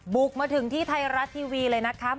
บุกมาถึงที่ไทยรัฐทีวีเลยนะคะ